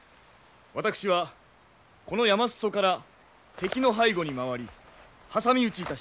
私はこの山裾から敵の背後に回り挟み撃ちいたします。